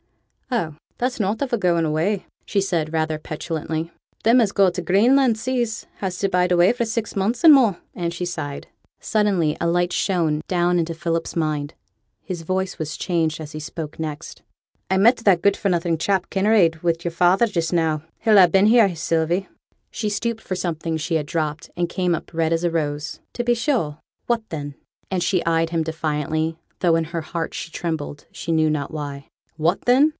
'Oh! that's nought of a going away,' said she, rather petulantly. 'Them as goes to t' Greenland seas has to bide away for six months and more,' and she sighed. Suddenly a light shone down into Philip's mind. His voice was changed as he spoke next. 'I met that good for nothing chap, Kinraid, wi' yo'r father just now. He'll ha' been here, Sylvie?' She stooped for something she had dropped, and came up red as a rose. 'To be sure; what then?' And she eyed him defiantly, though in her heart she trembled, she knew not why. 'What then?